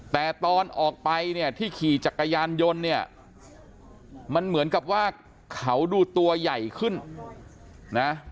แต่ตอนออกไปเนี่ยที่ขี่จักรยานยนต์เนี่ยมันเหมือนกับว่าเขาดูตัวใหญ่ขึ้นนะ